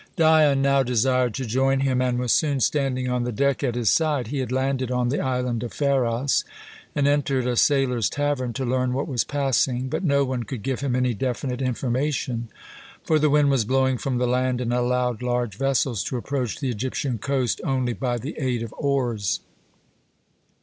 Dion now desired to join him, and was soon standing on the deck at his side. He had landed on the island of Pharos, and entered a sailors' tavern to learn what was passing. But no one could give him any definite information, for the wind was blowing from the land and allowed large vessels to approach the Egyptian coast only by the aid of oars.